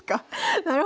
なるほど。